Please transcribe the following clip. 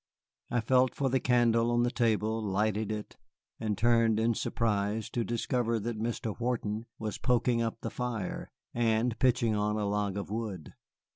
I felt for the candle on the table, lighted it, and turned in surprise to discover that Mr. Wharton was poking up the fire and pitching on a log of wood.